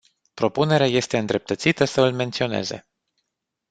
Propunerea este îndreptățită să îl menționeze.